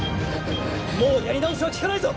もうやり直しは利かないぞ！